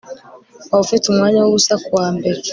Waba ufite umwanya wubusa kuwa mbere